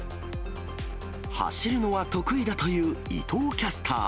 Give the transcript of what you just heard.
走るのは得意だという伊藤キャスター。